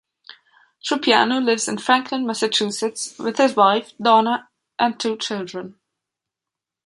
Trupiano lives in Franklin, Massachusetts, with his wife, Donna, and two children.